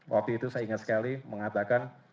waktu itu saya ingat sekali mengatakan